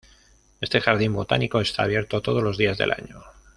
Este jardín botánico está abierto todos los días del año.